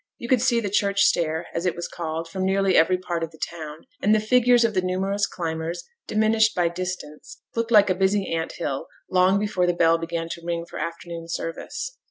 You could see the church stair, as it was called, from nearly every part of the town, and the figures of the numerous climbers, diminished by distance, looked like a busy ant hill, long before the bell began to ring for afternoon service.